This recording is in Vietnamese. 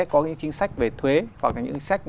có những chính sách về thuế hoặc là những chính sách